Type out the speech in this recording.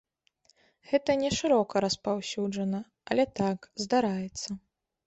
Гэта не шырока распаўсюджана, але так, здараецца.